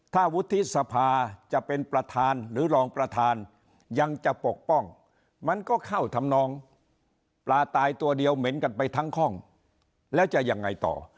ถ้าวุฒิสภาจะเป็นประธานหรือรองประธานยังจะปกป้องมันก็เข้าทำนองปลาตายตัวเดียวเหม็นกันไปทั้งห้องแล้วจะยังไงต่อ